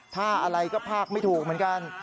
ถ้าอะไรก็ภาคไม่ถูกเหมือนกัน